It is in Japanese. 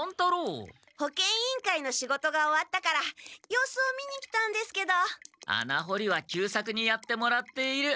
保健委員会の仕事が終わったから様子を見に来たんですけど。穴掘りは久作にやってもらっている。